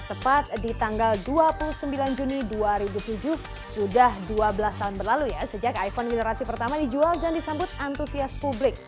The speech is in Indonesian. tepat di tanggal dua puluh sembilan juni dua ribu tujuh sudah dua belas tahun berlalu ya sejak iphone generasi pertama dijual dan disambut antusias publik